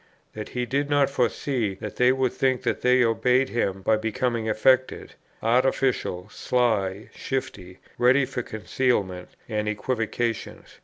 that he did not foresee that they would think that they obeyed him by becoming affected, artificial, sly, shifty, ready for concealments and equivocations?"